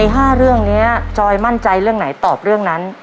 ๕เรื่องนี้จอยมั่นใจเรื่องไหนตอบเรื่องนั้น